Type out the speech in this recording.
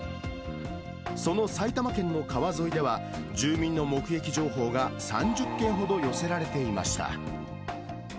その埼玉県の川沿いでは、住民の目撃情報が３０件ほど寄せられていました。